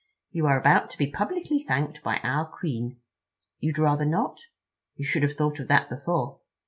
You are about to be publicly thanked by our Queen. You'd rather not? You should have thought of that before.